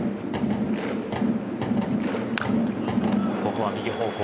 ここは右方向。